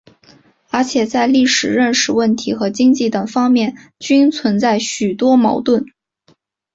而且在历史认识问题和经济等方面均存在许多矛盾。